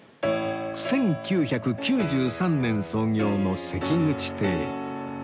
１９９３年創業の関口亭